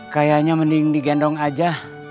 kayaknya mending digendong aja